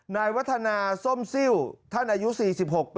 นายวัฒนาส้มซิลท่านอายุ๔๖ปี